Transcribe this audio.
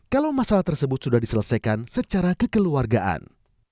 kalau masalah tersebut sudah diselesaikan secara kekeluargaan